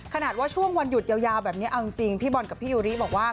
ขนาดว่าช่วงวันหยุดยาวแบบนี้เอาจริงพี่บอลกับพี่ยูริบอกว่า